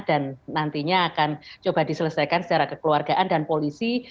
dan nantinya akan coba diselesaikan secara kekeluargaan dan polisi